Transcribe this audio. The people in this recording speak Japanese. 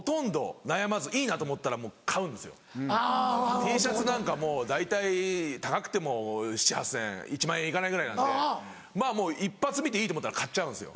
Ｔシャツなんか大体高くても７０００８０００円１万円行かないぐらいなんでもう一発見ていいと思ったら買っちゃうんですよ。